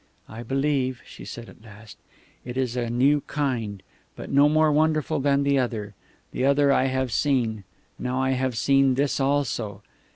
"I believe," she said at last. "It is a new kind but no more wonderful than the other. The other I have seen, now I have seen this also.